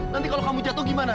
nanti kalau kamu jatuh gimana